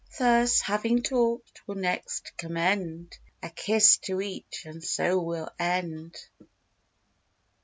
Thus having talk'd, we'll next commend A kiss to each, and so we'll end.